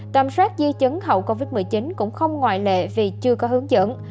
tầm soát di chứng hậu covid một mươi chín cũng không ngoại lệ vì chưa có hướng dẫn